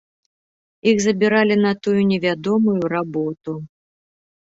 Іх забіралі на тую невядомую работу.